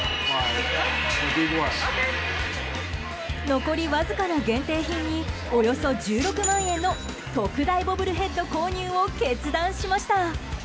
残りわずかな限定品におよそ１６万円の特大ボブルヘッド購入を決断しました。